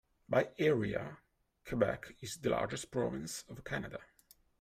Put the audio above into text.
By area, Quebec is the largest province of Canada.